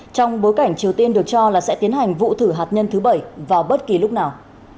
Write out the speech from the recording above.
trong bối cảnh triều tiên được cho là sẽ tiến hành vụ thử hạt nhân thứ bảy vào bất kỳ lúc nào